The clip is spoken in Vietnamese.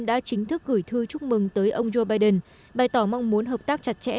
đã chính thức gửi thư chúc mừng tới ông joe biden bày tỏ mong muốn hợp tác chặt chẽ